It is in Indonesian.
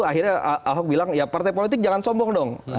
akhirnya ahok bilang ya partai politik jangan sombong dong